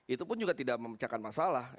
itu pun juga tidak memecahkan masalah